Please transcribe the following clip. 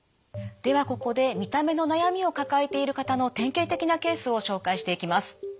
ではここで見た目の悩みを抱えている方の典型的なケースを紹介していきます。